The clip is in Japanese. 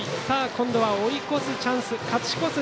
今度は追い越すチャンス勝ち越す